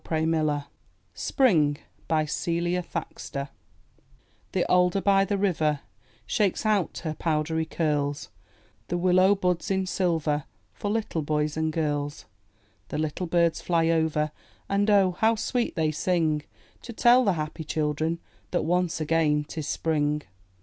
301 MY BOOK HOUSE SPRING Celia Thaxter The alder by the river Shakes out her powdery curls; The willow buds in silver For little boys and girls. The little birds fly over — And oh, how sweet they sing! To tell the happy children That once again 'tis spring.